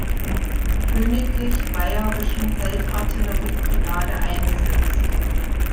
Königlich Bayerischen Feldartillerie-Brigade eingesetzt.